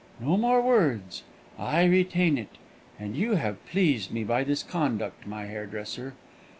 No more words I retain it. And you have pleased me by this conduct, my hairdresser.